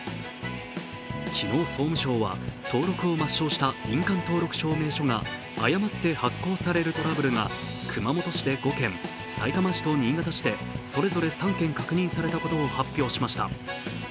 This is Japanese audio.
昨日、総務省は登録を抹消した印鑑登録証明書が誤って発行されるトラブルが熊本市で５件、さいたま市と新潟市でそれぞれ３件確認されたことを発表しました。